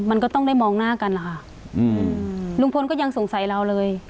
มันก็ต้องได้มองหน้ากันนะคะอืมลุงพลก็ยังสงสัยเราเลย